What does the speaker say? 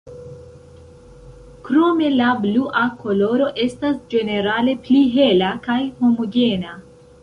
Krome la blua koloro estas ĝenerale pli hela kaj homogena.